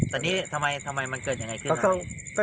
แต่นี่ทำไมทำไมมันเกิดยังไงขึ้น